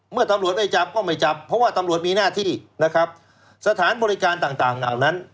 ตำรวจไม่จับก็ไม่จับเพราะว่าตำรวจมีหน้าที่นะครับสถานบริการต่างต่างเหล่านั้น